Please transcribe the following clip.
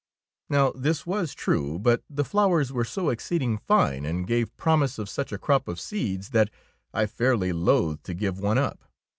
'^ Now this was true, but the flowers were so exceeding fine, and gave prom ise of such a crop of seeds, that I fairly loathed to give one up.